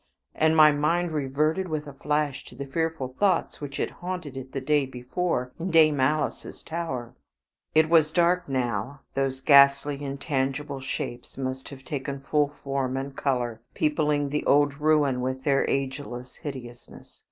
and my mind reverted with a flash to the fearful thoughts which had haunted it the day before in Dame Alice's tower. It was dark now. Those ghastly intangible shapes must have taken full form and color, peopling the old ruin with their ageless hideousness.